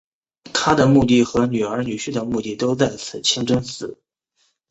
她的墓地和女儿女婿的墓地都在此清真寺。